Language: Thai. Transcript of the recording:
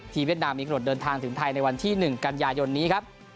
เวียดนามมีกรดเดินทางถึงไทยในวันที่๑กันยายนนี้ครับ